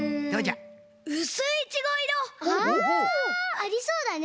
ありそうだね！